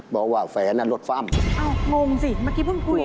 บอกว่าแฟนอ่ะรถฟ่ำอ้าวงงสิเมื่อกี้เพิ่งคุย